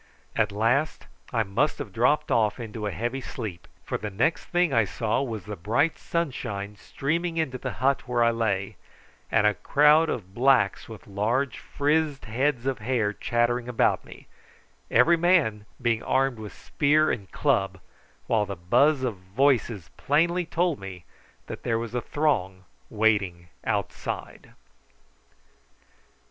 At last I must have dropped into a heavy sleep, for the next thing I saw was the bright sunshine streaming into the hut where I lay, and a crowd of blacks with large frizzed heads of hair chattering about me, every man being armed with spear and club, while the buzz of voices plainly told that there was a throng waiting outside.